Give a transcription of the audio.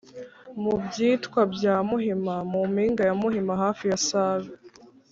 mu bitwa bya muhima: mu mpinga ya muhima (hafi ya save)